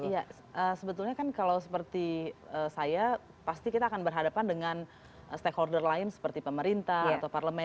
ya sebetulnya kan kalau seperti saya pasti kita akan berhadapan dengan stakeholder lain seperti pemerintah atau parlemen